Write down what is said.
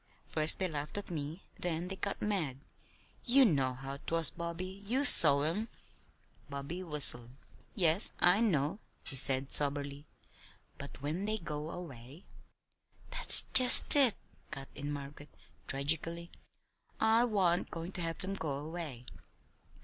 First they laughed at me, then they got mad. You know how 'twas, Bobby. You saw 'em." Bobby whistled. "Yes, I know," he said soberly. "But when they go away " "That's just it," cut in Margaret, tragically. "I wa'n't goin' to have them go away.